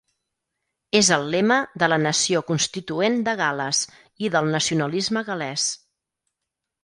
És el lema de la nació constituent de Gal·les i del nacionalisme gal·lès.